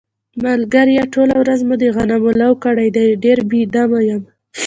ملگریه ټوله ورځ مې د غنمو لو کړی دی، ډېر بې دمه یم.